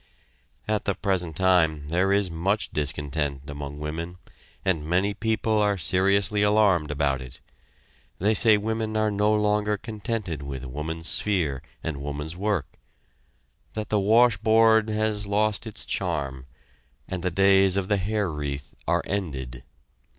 At the present time there is much discontent among women, and many people are seriously alarmed about it. They say women are no longer contented with woman's sphere and woman's work that the washboard has lost its charm, and the days of the hair wreath are ended.